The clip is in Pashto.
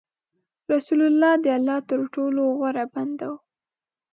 رسول الله د الله تر ټولو غوره بنده و.